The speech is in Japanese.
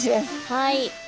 はい。